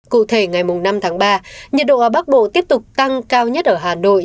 cụ thể ngày năm tháng ba nhiệt độ ở bắc bộ tiếp tục tăng cao nhất ở hà nội